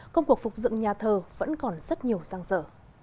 công cuộc phục dựng nhà thờ vẫn còn rất nhiều răng rở